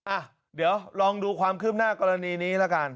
อ่ะเดี๋ยวลองดูความคืบหน้ากรณีนี้ละกัน